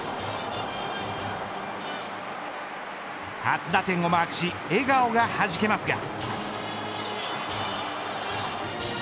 初打点をマークし笑顔がはじけますが。